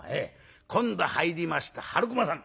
今度入りました春駒さん